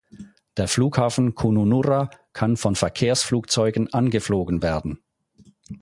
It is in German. Der Flughafen Kununurra kann von Verkehrsflugzeugen angeflogen werden.